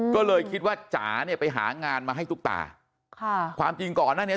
ก็เลยคิดว่าจ๋าเนี่ยไปหางานมาให้ตุ๊กตาค่ะความจริงก่อนหน้านี้